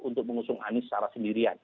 untuk mengusung anies secara sendirian